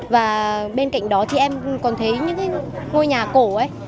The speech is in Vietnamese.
và bên cạnh đó thì em còn thấy những ngôi nhà cổ ấy